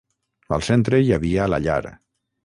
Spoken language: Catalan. Al centre hi havia la llar.